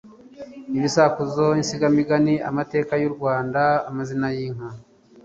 ibisakuzo, insigamigani, amateka y'u Rwanda, amazina y'inka